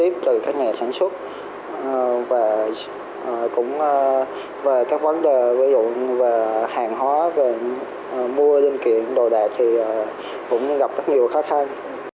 mua dân kiếm đồ đạc thì cũng gặp rất nhiều khó khăn